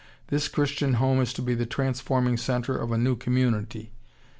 This Christian home is to be the transforming centre of a new community.